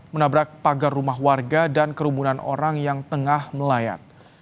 menabrak pagar rumah warga dan kerumunan orang yang tengah melayat